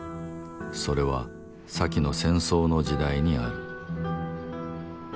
それは先の戦争の時代にある。